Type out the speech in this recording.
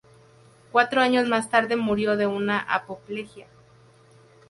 Cuatro años más tarde murió de una apoplejía.